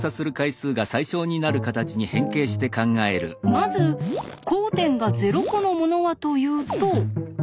まず交点が０コのものはというとはいこれ。